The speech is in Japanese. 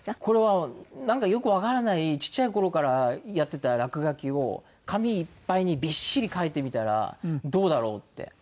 これはなんかよくわからないちっちゃい頃からやってた落書きを紙いっぱいにびっしり描いてみたらどうだろうって。